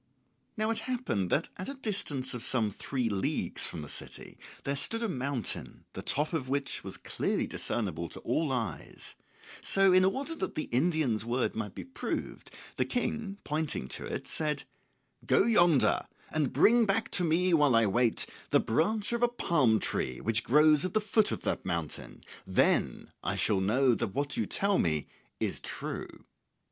Now it happened that at a distance of some three leagues from the city there stood a mountain the top of which was clearly discernible to all eyes; so, in order that the Indian's word might be proved, the King, pointing to it, said, "Go yonder, and bring back to me while I wait the branch of a palm tree which grows at the foot of that mountain; then I shall know that what you tell me is true."